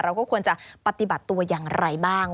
เราก็ควรจะปฏิบัติตัวอย่างไรบ้าง